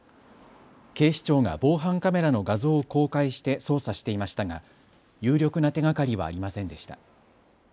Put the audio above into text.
警視庁が防犯カメラの画像を公開して捜査していましたが有力な手がかりはありませんでした。